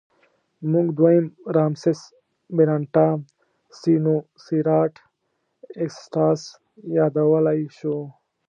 موږ دویم رامسس مېرنټاه سینوسېراټ اګسټاس یادولی شو.